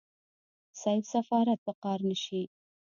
صيب سفارت په قار نشي.